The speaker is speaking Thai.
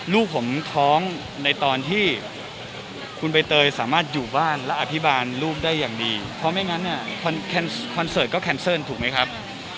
ลูกผมท้องในตอนที่คุณใบเตยสามารถอยู่บ้านและอภิบาลลูกได้อย่างดีเพราะไม่งั้นเนี่ยคอนเสิร์ตก็แคนเซิลถูกไหมครับ